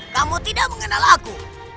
kamu tidak mengenal aku